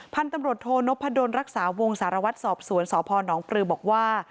พันธุ์ตำรวจโทนพดลรักษาวงสารวัตรสอบสวนสพนปลือบอกว่า